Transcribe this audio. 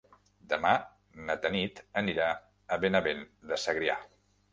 Demà na Tanit anirà a Benavent de Segrià.